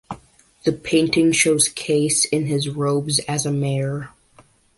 The painting shows Case in his robes as mayor.